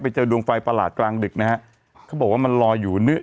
เจอดวงไฟประหลาดกลางดึกนะฮะเขาบอกว่ามันลอยอยู่เนื้อ